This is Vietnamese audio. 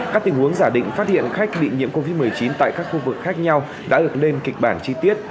các tình huống giả định phát hiện khách bị nhiễm covid một mươi chín tại các khu vực khác nhau đã được lên kịch bản chi tiết